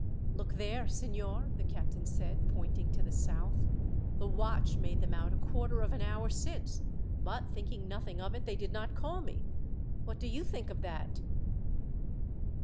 "Look there, signor!" the captain said, pointing to the south. "The watch made them out a quarter of an hour since, but, thinking nothing of it, they did not call me. What do you think of that?"